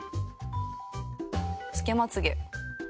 付けまつげ。